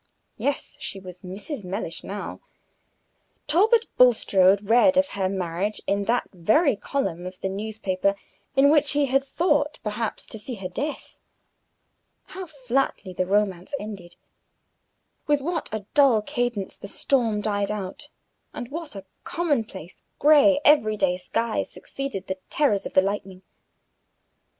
Yes, she was Mrs. Mellish now. Talbot Bulstrode read of her marriage in that very column of the newspaper in which he had thought, perhaps, to see her death. How flatly the romance ended! With what a dull cadence the storm died out, and what a commonplace, gray, every day sky succeeded the terrors of the lightning!